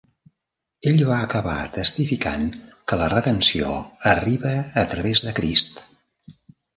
Ell va acabar testificant que la redempció arriba a través de Crist.